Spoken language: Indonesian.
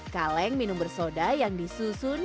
kaleng minum bersoda yang disusun